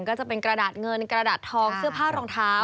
ก็จะเป็นกระดาษเงินกระดาษทองเสื้อผ้ารองเท้า